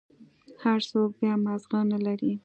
هر سوک بيا مازغه نلري.